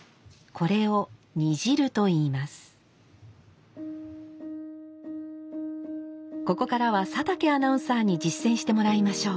ここからは佐竹アナウンサーに実践してもらいましょう。